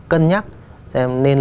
cân nhắc xem nên